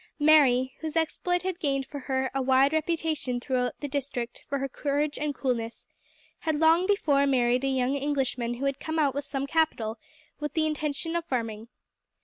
Mary, whose exploit had gained for her a wide reputation throughout the district for her courage and coolness, had long before married a young Englishman who had come out with some capital, with the intention of farming.